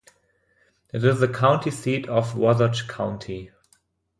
It is the county seat of Wasatch County.